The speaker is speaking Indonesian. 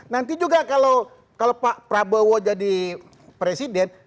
nanti juga kalau pak prabowo jadi presiden